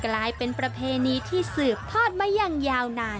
กลายเป็นประเพณีที่สืบทอดมาอย่างยาวนาน